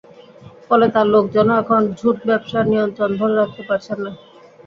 ফলে তাঁর লোকজনও এখন ঝুট ব্যবসার নিয়ন্ত্রণ ধরে রাখতে পারছেন না।